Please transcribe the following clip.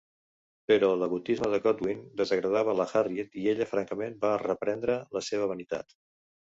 Però l'egotisme de Godwin desagradava la Harriet i ella, francament, va reprendre la seva vanitat.